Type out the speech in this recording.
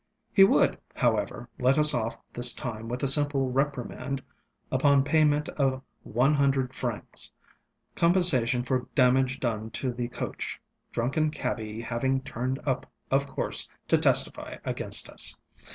He would, however, let us off this time with a simple reprimand, upon payment of one hundred francs, compensation for damage done to the coachŌĆödrunken cabby having turned up, of course, to testify against us.